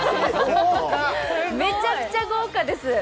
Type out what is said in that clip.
めちゃくちゃ豪華です。